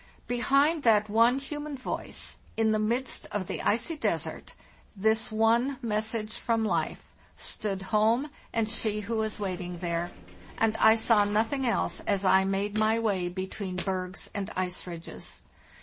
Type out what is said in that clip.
Behind that one human voice in the midst of the icy desert— this one message from lhfe—stood home and she who was waiting there; and I saw nothing else as I made my way between bergs and ice ridges.